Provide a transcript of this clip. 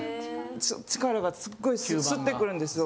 力がすっごい吸ってくるんですよ。